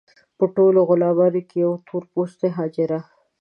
په ټولو غلامانو کې یوه تور پوستې حاجره.